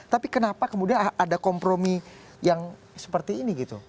tapi kenapa kemudian ada kompromi yang seperti ini gitu